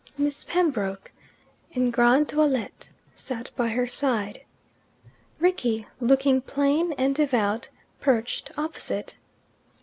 Miss Pembroke, en grande toilette, sat by her side. Rickie, looking plain and devout, perched opposite.